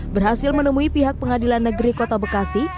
berhasil menemui pihak pengadilan negeri kota bekasi